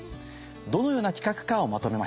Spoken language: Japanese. どのような企画かをまとめました。